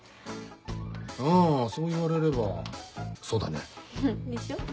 あそう言われればそうだね。でしょ？